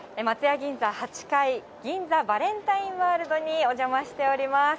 銀座８階、銀座バレンタインワールドにお邪魔しております。